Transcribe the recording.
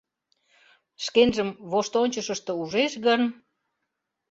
— Шкенжым воштончышышто ужеш гын...